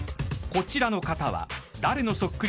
［こちらの方は］